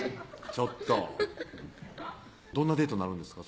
ちょっとどんなデートなるんですか？